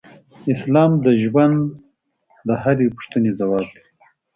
اسلام د ژوند د هرې پوښتنې ځواب لري.